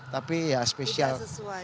tapi ya spesial